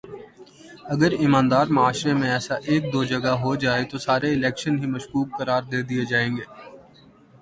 اگر ایماندار معاشرے میں ایسا ایک دو جگہ ہو جائے تو سارے الیکشن ہی مشکوک قرار دے دیئے جائیں گے